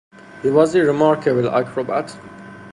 He was a remarkable acrobat.